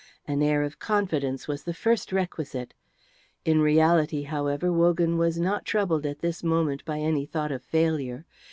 An air of confidence was the first requisite. In reality, however, Wogan was not troubled at this moment by any thought of failure.